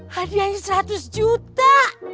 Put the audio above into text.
hadiahnya seratus juta